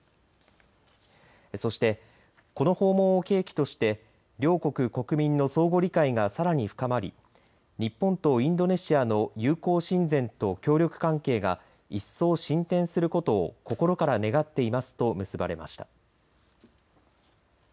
そして、この訪問を契機として両国国民の相互理解がさらに深まり日本とインドネシアの友好親善と協力関係が一層進展することを心から願っていますと結ばれました。